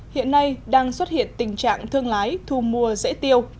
hiện nay đang xuất hiện tình trạng thương lái thu mua rễ tiêu